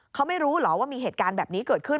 เขาไม่รู้เหรอว่ามีเหตุการณ์แบบนี้เกิดขึ้น